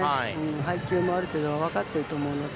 配球もある程度分かっていると思うので。